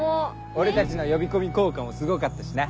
俺たちの呼び込み効果もすごかったしな。